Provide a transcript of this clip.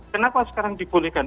kenapa sekarang dibolehkan